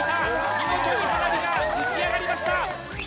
見事に花火が打ち上がりました！